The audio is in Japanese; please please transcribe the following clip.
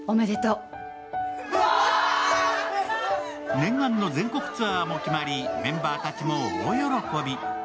念願の全国ツアーも決まりメンバーたちも大喜び。